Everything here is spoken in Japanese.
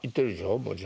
もちろん。